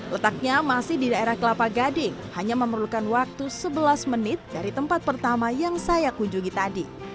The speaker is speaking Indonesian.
letaknya masih di daerah kelapa gading hanya memerlukan waktu sebelas menit dari tempat pertama yang saya kunjungi tadi